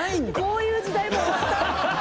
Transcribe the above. こういう時代も終わった？